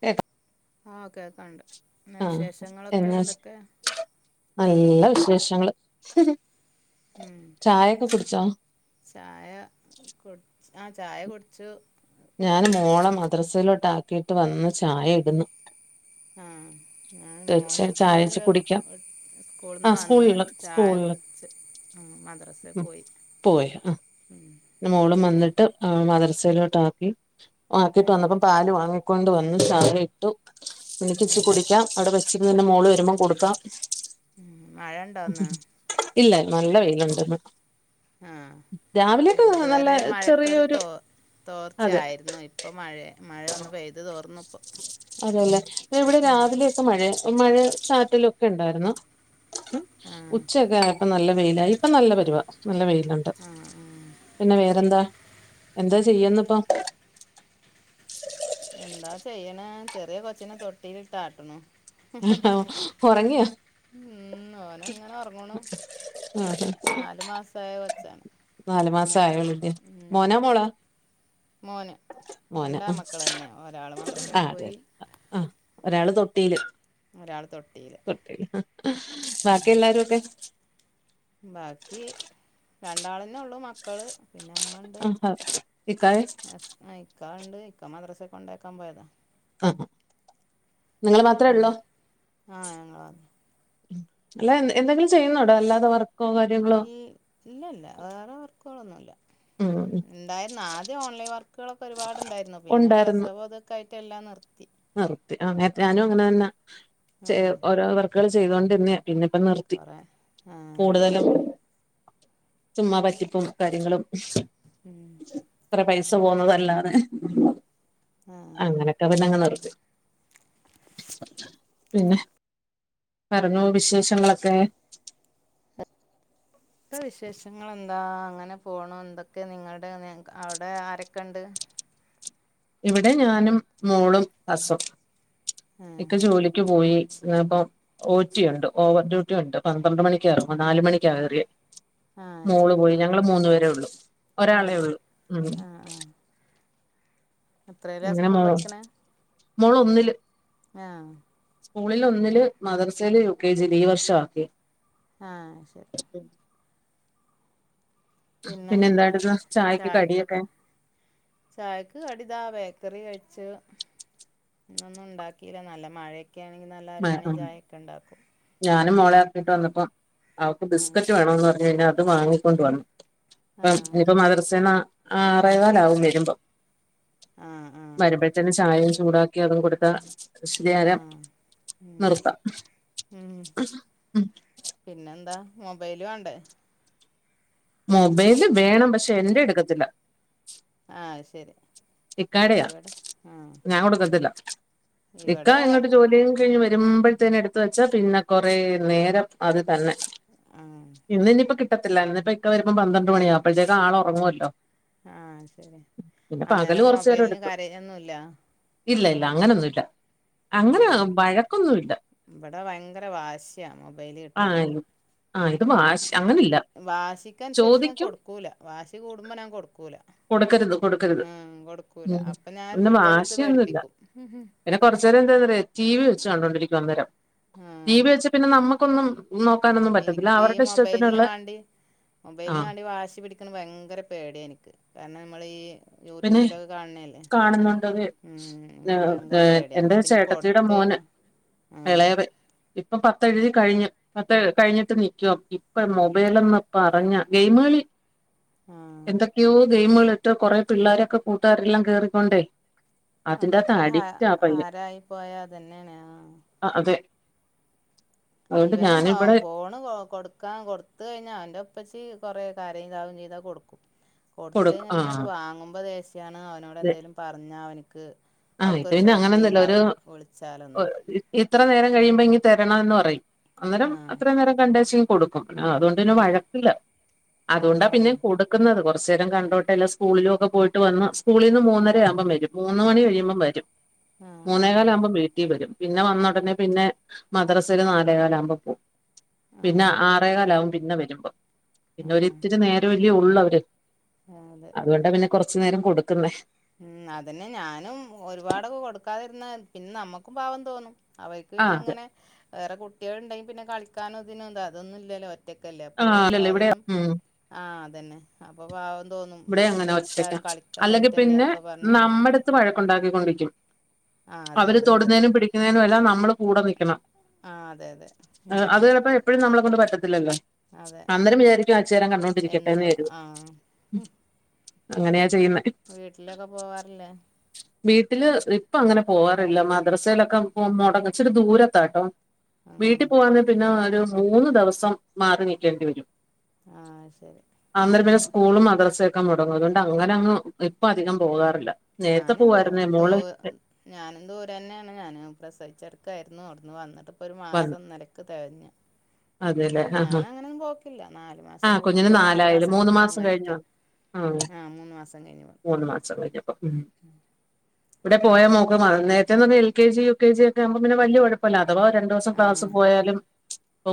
കേക്ക ആഹ് കേക്കെണ്ട് പിന്നെ വിശേഷങ്ങളൊക്കെ എന്നാ എന്തൊക്കെ? നല്ല വിശേഷങ്ങള് ഉം ചായൊക്കെ കുടിച്ചോ ചായ കുടിച്ച് ആഹ് ചായ കുടിച്ചു ഞാൻ മോളെ മദ്രസയിലോട്ട് ആക്കിയിട്ട് വന്ന് ചായ ഇടുന്നു ആഹ് ഞാൻ വെച്ച് മോനെ ചായച്ച് സ്കൂളില് കുടിക്കാം വി സ്കൂളിന്ന് ആഹ് വന്ന് സ്കൂളില് ചായ സ്കൂളില് കുടിച്ച് ഉം മദ്രസേ പോയി പോയി ഉം മോളും പിന്നെ വന്നിട്ട് ആഹ് മദ്രസയിലോട്ട് ആക്കി ആക്കിട്ട് ആഹ് വന്നപ്പൊ പാല് വാങ്ങിക്കൊണ്ട് വന്ന് ചായ ഇട്ടു എനിക്ക് ഇച്ചിരി ഉം കുടിക്കാം അവിടെ വെച്ചിരുന്ന് പിന്നെ മോള് വരുമ്പോം കൊടുക്കാം ഉം മഴ എണ്ടോ ഇന്ന് ഇല്ല നല്ല വെയിലിണ്ടിന്ന് ആഹ് ഇപ്പൊ നല്ല ഇതുവരെ മഴക്കൊരു ചെറിയൊരു തോ അതെ തോർച്ചായിരുന്നു ഇപ്പൊ മഴയാ മഴ ഒന്ന് പെയ്ത് തോർന്ന്‌ ഇപ്പൊ അതേല്ലേ പിന്നെ ഇവിടെ ഉം രാവിലേ ക്കെമഴയാ മഴേം ചാറ്റലൊക്കെ ഇണ്ടായിരുന്നു ആഹ് ഉച്ചയൊക്കെ ആയ ഇപ്പം നല്ല വെയിലായി ഇപ്പൊ നല്ല പരുവാ നല്ല വെയിലുണ്ട് ആഹ് ആഹ് പിന്നെ വേറെന്താ എന്താ ചെയ്യുന്ന ഇപ്പം എന്താ ചെയ്യണ് ചെറിയ കൊച്ചിനെ തൊട്ടിൽ ഇട്ട് ആട്ടുണു ഒറങ്ങിയോ ഉം ഓന് അങ്ങനെ ഒറങ്ങണു ആഹ് നാലു മാസായ കൊച്ചാണ് നാലു മാസം ആയള്ളൂ ഇല്ലേ ഉം മോനാ മോളാ? മോന് മോനാ രണ്ടാ മക്കളെന്നെ ഒരാൾ മദ്രസിൽ ആതെ പോയി ആഹ് ഒരാള് തൊട്ടിയില് ഒരാള് തൊട്ടിയില് തൊട്ടിയില് ബാക്കി എല്ലാരും ഒക്കെ? ബാക്കി രണ്ടാളന്നേ ഉള്ളു മക്കള് പിന്നെ ഇമ്മ ഇണ്ട് ആഹ് ഇക്കായ ഹസ് ആ ഇക്കാണ്ട് ഇക്ക മദ്രസക്ക് കൊണ്ടാക്കാൻ പോയതാ നിങ്ങൾ മാത്രേ ഒള്ളൂ ആഹ് ഞങ്ങള് മാ അല്ല എന്തെങ്കിലും ചെയ്യുന്നുടോ അല്ലാതെ വർക്ക് ഈ ഇല്ല ഇല്ല വേറെ വർക്കുകളൊന്നുംഇല്ല ഉം ഇണ്ടായിരുന്നു ആദ്യം ഓൺലൈൻ വർക്കുകളൊക്കെ ഒരുപാട് ഇണ്ടായിരുന്നു പിന്നെ ഉണ്ടായിരുന്നു പ്രസവം ഇതൊക്കെ ആയിട്ട് എല്ലാം നിർത്തി നിർത്തി അ ഞാനും അങ്ങനെ തന്നെ ഛെ ആഹ് ഓരോ വർക്കുകൾ ചെയ്തൊണ്ട് ഇരുന്നാ പിന്നെ ഇപ്പം നിർത്തി കൊറെ ആഹ് കൂടുതലും ചുമ്മാ പറ്റിപ്പും കാര്യങ്ങളും ഉം കൊറേ പൈസ പോവുന്നതല്ലാതെ ആഹ് അങ്ങനൊക്കെ പിന്നെങ്ങ് നിർത്തി പിന്നെ പറഞ്ഞോ വിശേഷങ്ങളൊക്കെ ഇപ്പം വിശേഷങ്ങൾ എന്താ അങ്ങനെ പോണം എന്തൊക്കെ നിങ്ങളുടെ അവിടെ ആരൊക്കെ ഇണ്ട് ഇവിടെ ഞാനും മോളും അസും ആഹ് ഇക്ക ജോലിക്ക് പോയി ഇപ്പം ഓറ്റി ഉണ്ട് ഓവർ ഡ്യൂട്ടി ഉണ്ട് പന്ത്രണ്ട് മണിക്കെ ഇറങ്ങൂ നാല് മണി ക്ക കേറിയെ ആഹ് മോള് ശരി പോയി ഞങ്ങള് മൂന്ന പേരെ ഉള്ളൂ ഒരാളെ ആഹ് ഉള്ളൂ ഉം ആഹ് ആഹ് എത്രേലാ എന്തിനാ സ്കൂൾ മോള് പഠിക്കണേ മോള് ഒന്നില് ആഹ് സ്കൂളിൽ ഒന്നില് മദർസയില് യു കെ ജില് ഈ വർഷാ ആക്കിയേ ആ അയ് ശരി പിന്നെ എന്താട്ടുന്ന ചായക്ക് കടിയൊക്കെ ചായക്കൊക്കെ ചായക്ക് കടിതാ ബേക്കറി കഴിച്ച് പിന്നൊന്നും ഉണ്ടാക്കിയില്ല നല്ല മഴ ക്കെ ആണെങ്കി നല്ല ആറ്മണി ചായൊക്കെണ്ടവും ഞാനും മോളെ ആക്കിട്ട് വന്നപ്പം അവക്ക് ആഹ് ബിസ്ക്കറ്റ് വേണംന്ന് പറഞ്ഞ് കഴിഞ്ഞ അത് വാങ്ങി കൊണ്ടുവന്നു അപ്പം ആഹ് ഇനിപ്പം മദ്രസ്സേന്ന ആറേ കാല് ആകും വരുമ്പം ആഹ് ആഹ് വരുമ്പോഴത്തേക്കും ചായയും ചൂടാക്കി അതും കൊടുക്ക ആഹ് [unintelligible] ഉം ഉം ഉം പിന്നെ എന്താ മൊബൈല് വാണ്ടേ മൊബൈല് വേണം പക്ഷെ എന്റെ എടുക്കത്തില്ല ആഹ് ശരി ഇക്കാടയാ ഇവിടെ ആഹ് ഞാൻ കൊടുക്കത്തില്ല ഇക്കാ ഇവിടെ ഇങ്ങോട്ട് ജോലിയ കഴിഞ്ഞ് വരുമ്പോഴത്തേന എടുത്ത് വെച്ചാ പിന്നെ കൊറേ നേരം അത് തന്നെ ആഹ് ഇന്ന് ഇനിയിപ്പ കിട്ടത്തില്ല ഇന്ന് ഇക്ക വരുമ്പോ പന്ത്രണ്ട് മണിയാവും അപ്പോഴത്തേക്ക് ആള് ഉറങ്ങുവല്ലോ ആഹ് ശരിയ പകല് അന്നേരം കൊറച്ചു നേരം മൊബൈലിന് എടുത്തു കരയൊന്നുല്ല ഇല്ല ഇല്ല അങ്ങനൊന്നുമില്ല ഉം ഇമ്പടെ ഭയങ്കര വാശിയാ മൊബൈല് ആഹ് കിട്ടിയില്ലെങ്കിൽ ആഹ് ഇത് മാ വാശിക്കനുസരിച്ച് ഞാൻ കൊടുക്കൂല വാശി കൂടുമ്പോ ഞാൻ കൊടുക്കൂല കൊടുക്കരുത് കൊടുക്കരുത് ആഹ് കൊടുക്കൂല ഉം അപ്പൊ ഞാൻ ഒരു പിന്നെ ചുള്ളല് എടുത്ത് വാശിയൊന്നുല്ല പേടിപ്പിക്കും പിന്നെ കുറച്ച് നേരം എന്താ പറയാ ടി വി വെച്ച് കണ്ടോണ്ടിരിക്കും അന്നേരം ടി ആഹ് വി വെച്ച പിന്നെ നമുക്കൊന്നും നോ എനിക്ക് ഈ മൊബൈലിന് വാണ്ടി ആ മൊബൈലിന് വാണ്ടി വാശി പിടി ക്ക്ണെ ഭയങ്കര പേടിയ എനിക്ക് കാരണം നമ്മൾ ഈ പിന്നെ യൂട്യൂബിലൊക്കെ കാണണല്ലേ കാണുന്നുണ്ട് അത് ഉം ഇൻക്ക് ഏഹ് ഭയങ്കര പേടിയ എന്റെ പിന്നെ ചേട്ടത്തിയുടെ മോന് കൊടുത്തഴിഞ്ഞാ ഇളയവൻ ഇപ്പം പത്തെഴുതി കഴിഞ്ഞു പത്ത് കഴിഞ്ഞിട്ട് നിക്കുവാ ഇ ഇപ്പം മൊബൈലന്ന് പറഞ്ഞ ഗെയിമുകളി ആഹ് എന്തൊക്കെയോ ഗെയിമുകൾ ഏറ്റോ കൊറെ പിള്ളാരൊക്കെ കൂട്ടുകാരെല്ലാം കേറിക്കൊണ്ടേ അതിൻ്റെ അകത്ത് അതൊക്കെ ഹ അഡിക്റ്റ് ആ പയ്യൻ ഹരായി പോയ അതന്നെ യാണ് ആ ആ അതെ അതുകൊണ്ട് ഇവൻ പാവം ഞാനിവിടെ ഫോൺ കൊ കൊടുക്കാൻ കൊടുത്ത് കഴിഞ്ഞാ അവന്റെ ഉപ്പച്ചി കൊറെ കാര്യം ഇതാവും ചെയ്ത് അതങ്ങ് കൊടുക്കും കൊടുത്ത് കൊടുക്കും കയിഞ്ഞ ആ പിന്നെ അത് വാങ്ങുമ്പോ ദേഷ്യണ് അവ അവന്നോട് അതെ എന്തേലും പറഞ്ഞാൽ അവനിക്ക് ആ ഇത് അവിടുക്കൊരു പിന്നെ അങ്ങനൊന്നുമില്ല ഒരു ശ്രദ്ധിംണ്ടാവൂല്ല വിളിച്ചാലൊന്നും ഇത്ര നേരം കഴിയുമ്പോ ഇങ് തരണം എന്ന് പറയും അന്നേരം ആഹ് അത്ര നേരം കണ്ടേച്ച് കൊടുക്കും അതുകൊണ്ട്ന്നെ ഉം വഴക്കില്ല അതുകൊണ്ട പിന്നെം ആഹ് കൊടു കൊടുക്കുന്നത് കുറച്ചു നേരം കണ്ടോട്ടെ എല്ലാം സ്കൂളിലും ഒക്കെ പോയിട്ട് വന്ന സ്കൂളിൽ നിന്ന് മൂന്നര ആകുമ്പോം വരും മൂന്ന് മണി കഴിയുമ്പം വരും ആഹ് ആഹ് മൂന്നേക്കാലാകുമ്പോം വീട്ടിൽ വരും പിന്നെ വന്നുടനെ പിന്നെ മദ്രാസല് നാലേകാലാകുമ്പോ പോവും പിന്നെ ആഹ് ആറേകാലാകും പിന്നെ വരുമ്പോ പിന്നെ ഒരിത്തിരി നേരം മല്ലേ ഉള്ളവര് ആ അതെ അതുകൊണ്ട പിന്നെ കൊറച്ച് നേരം കൊടുക്കുന്നെ ഉം അതന്നെ ഞാനും ഒരുപാടൊക്കെ കൊടുക്കാതിരുന്ന പിന്നെ നമ്മക്കും പാവം തോന്നും അവർക്ക് ആ പിന്നെ അതെ ഇങ്ങനെ വേറെ കുട്ട്യൾ ഇണ്ടെങ്കിൽ പിന്നെ കളിക്കാനോ ഇതിനോന്ത അതൊന്നും ഇല്ലല്ലോ ഒറ്റക്കല്ലേ ആ അപ്പോ അല്ലല്ല ഇവിടെ അതിനും ഉം ആ അതന്നെ അപ്പൊ പാവം തോന്നും ഇവിടെ വീട്ടിൽ അങ്ങനെ ഒറ്റയ്ക്കാ എനിക്കാരും കളിക്കാനില്ലായിട്ട് അല്ലെങ്കി പിന്നെ നമ്മടുത്ത് വഴക്കുണ്ടാക്കിക്കൊണ്ടിരിക്കും ആഹ് അതെ അവര് അതുണ്ട് തൊടുന്നേനും പിടി ക്കുന്നെനെല്ലാം നമ്മൾ കൂടെ നിക്കണം ആഹ് അതെ അതെ ഉം അത് ചിലപ്പോ എപ്പ പ്പോഴും നമ്മളെ കൊണ്ട് പറ്റത്തില്ലല്ലോ അതെ അന്നരം വിചാരിക്കും അഇച്ചേരം കണ്ടോണ്ടിരിക്കട്ടെന്ന് എന്ന് കരുതും ആഹ അങ്ങനെയാ ചെയ്യുന്നെ വീട്ടിലൊക്കെ പോവാറില്ലേ? വീട്ടില് ഇപ്പം അങ്ങനെ പോവാറില്ല മദ്രസയിലൊക്കെ പോ മുടങ്ങും ഇച്ചിരി ദൂരത്താട്ടോ ആഹ് വീട്ട്പോവാന്നെ പിന്നെ ഒരു മൂന്നു ദിവസം മാറി നില്ക്കേണ്ടിവരും ആഹ ശരി അന്നേരം പിന്നെ സ്കൂളും മദ്രസൊക്കെ മുടങ്ങും അതുകൊണ്ട് അങ്ങനെ അങ്ങ് ഇപ്പം അധികം പോകാറില്ല നേരത്തെ ഞാനന്തോ പോവായിരുന്നേ ദൂ മോള് ഞാനും ദൂരെ തന്നെയാണ് ഞാനും പ്രസവിച്ചടക്കായിരുന്നു അവിടുന്ന് വന്നിട്ടിപ്പൊ ഒരു വന്നു മാസം ഇന്നലെ ക്കെ തെഴഞ്ഞ് അതെല്ലേ ആാ പോക്കില്ല നാല് ആഹ മാസം കുഞ്ഞിന് കൂടുമ്പോ അഞ്ചു നാലായിലെ മൂന്ന് കൂടുമ്പോ മാസം കഴിഞ്ഞോ? അങ്ങനെയൊക്കെ ആ മൂന്ന് മാസം കഴിഞ്ഞ് പോവും മൂന്ന് മാസം കഴിഞ്ഞുപ്പം ഉം. ഇവിടെ പോയാ മോക്ക് നേരത്തെ പറഞ്ഞാൽ L K G, U K G ഒക്കെ ആകുമ്പോ പിന്ന വല്ല്യ കുഴ പ്പല്ല അഥവാ രണ്ടു ദിവസം ആ ക്ലാസ് പോയാലും ഇപ്പൊ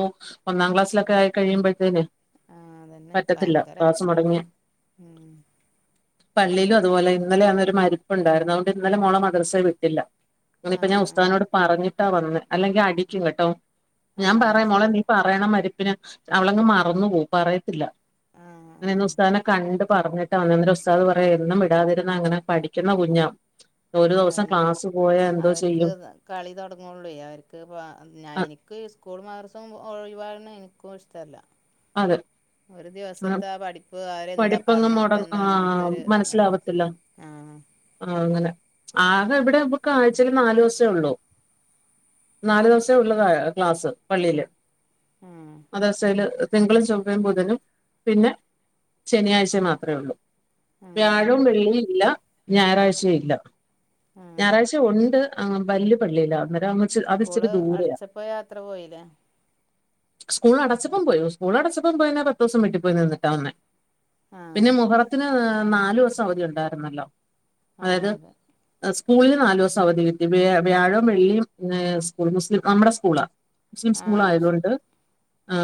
ഒന്നാം ക്ലാസ്സിലൊക്കെ ആയി കഴിയുമ്പോഴത്തേന് ആ അതന്നെ പറ്റത്തില്ല ഭയങ്കര ക്ലാസ് മുടങ്ങിയ ഉം പള്ളിയിലും അതുപോലെ ഇന്നലെ അന്നരു മരിപ്പുണ്ടായിരുന്നു അതുകൊണ്ട് ഇന്നലെ മോളെ മദ്രസൽ വിട്ടില്ല ആ അങ്ങനെ ഞാൻ ആ ഉസ്താദിനോട് പറഞ്ഞിട്ടാ വന്ന് അല്ലെങ്കി അടിക്കും കേട്ടോ ആഹ് അയ്ശരി പറയണ മരപ്പിന് അവളങ്ങ് മറന്നു പോകും പറയത്തില്ല ആഹ് ആഹ് അങ്ങനെ ഉസ്താദിനെ കണ്ട് പറഞ്ഞിട്ട വന്നേ അന്നേരം ഉസ്താദ് പറയാ എന്നും വിടാതിരുന്ന അങ്ങനെ പഠിക്കുന്ന കുഞ്ഞ ഒരു ദിവസം അതന്നെ ക്ലാസ് പോയാ എന്തോ അവർക്ക് ചെയ്യും കളി തൊടങ്ങുള്ളേ അവർക്ക് ഞാൻ അ എനിക്ക് സ്കൂൾ മദ്രസും ഒഴിവാണ് എനിക്കും ഇഷ്ട ട്ടല്ല അതെ ഒരു ദിവസത്തെ ആഹ് പഠിപ്പ് അവരെന്താ പഠിപ്പങ്ങ് പറഞ്ഞോടുത്തേ മുടങ്ങ എന്താ ആ നമുക്കൊരു എന്തല്ല ആഹ് ആഹ് അങ്ങനെ ആകെ ഇവിടെ നമുക്ക് ആഴ്ചൽ നാല് ദിവസേ ഉള്ളൂ നാല് ദിവസേ ഉള്ളു ക്ലാസ്സ് പള്ളിയില് ഉം മദ്റസയില് തിങ്കളും ചൊവ്വയും ബുധനും പിന്നെ ശനിയാഴ്ച മാത്രേ ഉള്ളു ആഹ് വ്യാഴവും ആഹ് വെള്ളിയും ഇല്ല ഞായറാഴ്ചയും ഇല്ല ആഹ് ഞായറാഴ്ച ഉണ്ട് ആഹ് വല്യ പള്ളിയല്ലാ അവിട സ്കൂള് അടച്ചപ്പോ യാത്ര പോയില്ലേ സ്കൂൾ അടച്ചപ്പം പോയി സ്കൂൾ അടച്ചപ്പം പോയിനി പത്ത് ദിവസം വീട്ടിൽപ്പോയി നിന്നിട്ടാ വന്നേ ആഹ് പിന്നെ മുഹറത്തിന് നാലു ദിവസം അവധി ഉണ്ടായിരുന്നല്ലോ ആഹ് അതായത് അതെ സ്കൂളിൽ നാല് ദിവസം അവധി കിട്ടി വ്യാഴവും വെള്ളിയും സ്കൂൾ മുസ്ലിം നമ്മുടെ സ്കൂള മുസ്ലിം സ്കൂൾ ആഹ് ശരി ആയതുകൊണ്ട്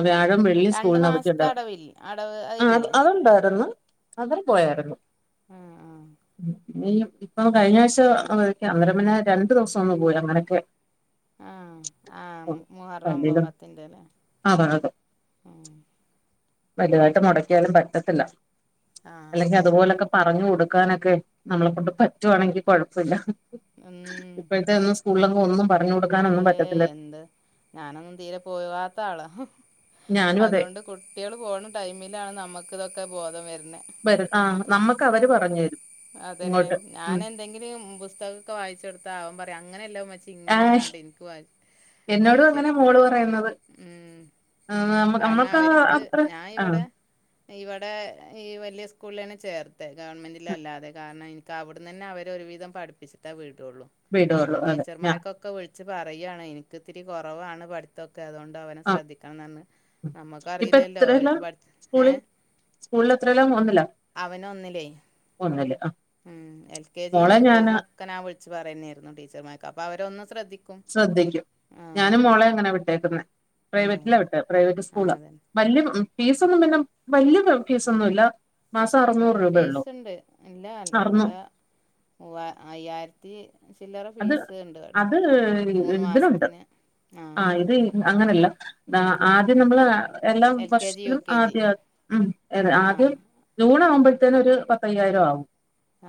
വ്യാഴം വെള്ളി രണ്ട് സ്കൂളിന് മാസത്തെ അവധിണ്ടായിരുന്നു അടവിൽ അടവ് ആഹ് അതില്ലേ അതുണ്ടായിരുന്നു അവർ പോയായിരുന്നു ആഹ് ആഹ് ഇപ്പൊ കഴിഞ്ഞ ആഴ്ച [unintelligible] അന്നരപിന്നെ രണ്ടു ദിവസം ഒന്ന് പോയി അങ്ങനെയൊക്കെ ആഹ് ആഹ് മുഹറം ഒമ്പതും പത്തിന്റെല്ലേ അതെ അതെ ആഹ് വലുതായിട്ട് മുടക്കിയാലും പറ്റത്തില്ല ആഹ് അല്ലെങ്കി ശരിയാ അതുപോലൊക്കെ പറഞ്ഞു കൊടുക്കാനൊക്കെ നമ്മളെ കൊണ്ട് പറ്റുവാണെങ്കി കൊഴപ്പില്ല ഉം ഇപ്പോഴത്തെ ഒന്നു സ്കൂൾ ഒന്നും പറഞ്ഞു കൊടുക്കാനൊന്നും ഏയ് പറ്റത്തില്ല എന്ത് ഞാനൊന്നും തീരെ പോവാത്ത ആളാ ഞാനും അതെ അതുകൊണ്ട് കുട്ടികൾ പോണ ടൈമിലാണ് നമുക്കിതൊക്കെ ബോധം വരുന്നേ ആഹ് നമ്മക്ക് അവര് പറഞ്ഞു തരും അതന്നെ ഇങ്ങോട്ട് ഞാൻ ഉം എന്തെങ്കിലും പുസ്തകൊക്കെ വായിച്ചൊടുത്ത അവൻ പറയാ അങ്ങനെയല്ല ഉമ ആ ഇങ്ങനെന്ന് പറഞ്ഞിട്ട് ഇനിക്ക് എന്നോടും അങ്ങനെ വായിചേരും മോള് പറയുന്നത് ഉം ആ, നമ്മ- കാരണം നമ്മൾക്ക് ആ അവർക്ക് അത്ര ഞാ ആഹ് ഇവിടെ ഇവടെ ഈ വല്യ സ്കൂളിലാണ് ചേർത്തേ ഗവൺമെൻ്റിൽ അല്ലാതെ കാരണം ഇനി കവിടന്നന്നെ അവര് ഒരുവിധം പഠിപ്പിച്ചിട്ടാ വീടുള്ളൂ ഞാൻ വിടുള്ളൂ അതെ ഞാൻ ടീച്ചർമാർക്കൊ ക്കെ വിളിച്ച് പറയാണ് എനിക്ക്ത്തിരി കുറവാണ് പഠിത്തൊക്കെ അതുകൊണ്ട് അവനെ ആഹ് ശ്രദ്ധിക്കണം പറഞ്ഞു ഇപ്പൊ നമ്മുക്കറിയില്ലല്ലോ എത്രല്ല അവർക്ക് പഠി ഏ സ്കൂളിൽ സ്കൂളിൽ എത്രയില മൂന്നിലോ അവന് ഒന്നില്ലേ ഉം എൽ കെ ജി ന്നും മോളെ യു കെ ജി ഞാന് ന്നും ക്കനാ വിളിച്ച് പറയന്നായിരുന്നു ടീച്ചർമാർക്ക് അപ്പൊ അവരൊന്ന് ശ്രദ്ധിക്ക ശ്രദ്ധിക്കും ഞാനും മോളെ അങ്ങനാ വിട്ടേക്കുന്ന ആ പ്രൈവറ്റിലാ വിട്ടേ പ്രൈവറ്റ് ആ സ്കൂള അതന്നെ വല്യ ഫീസൊന്നും പിന്നെ വല്യ ഫീസൊന്നുല്ല മാസം അറുന്നൂറ് ഇവടെ രൂപയള്ളൂ ഫീസ്ണ്ട് ഇല്ല അറുന്നൂ ഇവിടെ മൂവ അയ്യായിര ത്തി ചില്ലറ അത് ഫീസ് ണ്ട് ഇവടെ അത് മൂന്ന് ഇതിനുണ്ട് മാസത്തിന് ആ ആഹ് ഇത് അങ്ങനെയല്ല ആദ്യം നമ്മൾ എല്ലാ എൽ കെ ജി യു വർഷത്തിലും കെ ജി ആദ്യ ഉം എത് ആ ആദ്യം ജൂണ് ആകുമ്പോഴത്തേനു ഒരു പത്തയ്യായിരം ആവും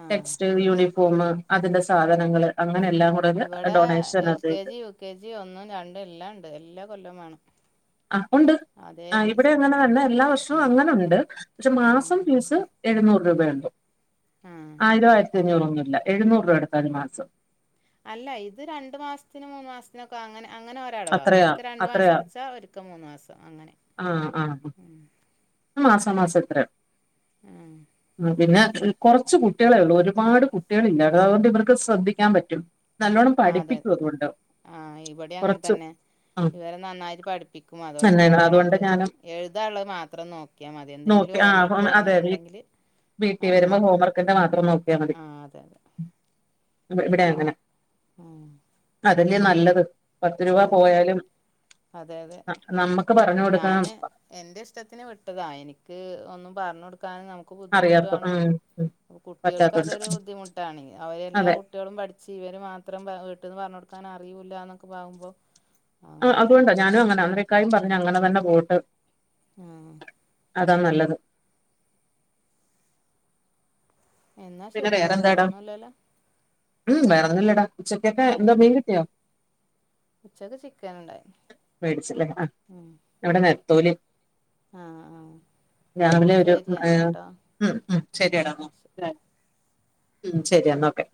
ആ ടെക്സ്റ്റ് യൂണി ഫോമ് അതിന്റെ സാധനങ്ങള് അങ്ങനെയെല്ലാ ഇവിടെ L K G U K G ഒന്നും രണ്ടും എല്ലാം ഇണ്ട് എല്ലാ കൊല്ലം വേണം ആഹ് ഉണ്ട് അതേ ആഹ് ഇവിടെ ഫീസ് അങ്ങനെ തന്നെ എല്ലാ വർഷവും അങ്ങനെ ഉണ്ട് പക്ഷെ ഉം മാസം ഫീസ് എഴുന്നൂറ് രൂപ ഇണ്ട് ആ ആയിര ആയിരത്തിഞ്ഞൂറൊന്നുല്ല എഴുന്നൂറ് രൂപ എടുത്തതി മാസം അല്ല ഇത് രണ്ട് മാസത്തിനും മൂന്ന് മാസത്തിനൊക്കെ അങ്ങനെ അങ്ങനെ ഒരടവ അത്രയാ ഒരിക്കെ രണ്ട് മാസ അത്രയാ അടച്ചാ ഒരിക്കെ മൂന്ന് മാസം അങ്ങനെ മാസ മാസം ഇത്ര ഉം പിന്നെ കൊറച്ച് കുട്ടികളെ ഒള്ളൂ ഒരുപാട് കുട്ടികൾ ഇല്ല അതുകൊണ്ട് ഇവർക്ക് ശ്രദ്ധിക്കാൻ പറ്റും നല്ലോണ്ണം ആഹ് അതെ പഠിപ്പിക്കും അതുകൊണ്ട് ആഹ് ഇവിടെ അങ്ങൻ കുറച്ച് തന്നെ ഉം ഇവര് നന്നായിട്ട് പഠിപ്പിക്കും അതുകൊണ്ട് പിന്നെ തന്നെയാണ് അതുകൊണ്ട് നമ്മക്ക് ഞാനും എഴുതാനുള്ളത് മാത്രം നോ നോക്കിയമതി എന്തെങ്കിലും ഹോംവർക്ക് കൊട്ന്നിട്ടുണ്ടെങ്കിൽ വീട്ടി വരുമ്പോ ഹോം വർക്കിന്റെ മാത്രം നോക്കിയാ മതി ആ അതെ അതെ ഇവിടെ അങ്ങനെ ഉം അതന്നെ നല്ലത് പത്ത് രൂപ അതന്നെ പോയാലും അതെ നമ്മക്ക് പറഞ്ഞു കൊടുക്കാം എന്റെ ഇഷ്ടത്തിന് വിട്ടതാ എനിക്ക് ഒന്നും പറഞ്ഞു കൊടുക്കനു ക്ക് അറിയാത്ത ബുദ്ധിമുട്ടാണ് ഉം ഉം അ കുട്ടികൾക്ക പറ്റാത്തോണ്ട് അതൊരു ബുദ്ധിമുട്ടാണ്ങ്ക അവരെല്ലാം അതെ കുട്ടികളും പഠിച്ച് ഇവര് മാത്രം വീട്ടിൽന്ന് പറഞ്ഞു കൊടുക്കാൻ അറിയവൂല്ലന്നൊക്കെ പാകുമ്പോൾ ആഹ് അതുകൊണ്ടാ ഞാനും അങ്ങനെ അന്നേക്കാര് പറഞ്ഞഞ് അങ്ങനെ തന്നെ പോട്ട് ആഹ് അതാ നല്ലത് എന്നാ പിന്നെ ശരി വേറെന്താ ഇടാ വേറെന്നുംല്ലല്ലോ ഉം വേറെന്നുല്ലടാ ശരി ഉച്ചക്കക്ക്എന്താ മീൻ കിട്ടിയോ ഉച്ചക്ക് ചിക്കൻ ഇണ്ടായി മേടിച്ചല്ലേ ആ ഉം ഇവിടെ നെത്തോലി ആഹ് ആഹ് രാവിലെ ഒരു ശരി എന്നാട്ടോ ഉം ഉം ശരിയെടാ ആഹ് ശ ഉം ശരി എന്നാൽ ഓക്കെ